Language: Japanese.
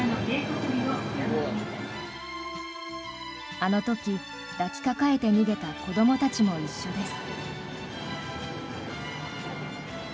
あの時、抱きかかえて逃げた子どもたちも一緒です。